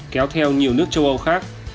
kéo theo nhiều nước châu âu khác